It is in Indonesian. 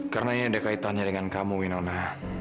karena ini ada kaitannya dengan kamu winona